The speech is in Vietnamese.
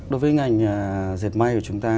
đối với ngành diệt may của chúng ta